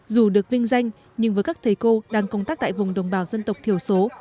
dù được vinh danh nhưng với các thầy cô đang công tác tại vùng đồng bào dân tộc thiểu số